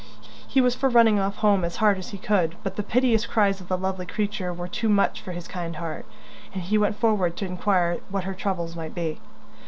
He was for running off home as hard as he could, but the piteous cries of the lovely creature were too much for his kind heart, and he went forward to enquire what her trouble might be.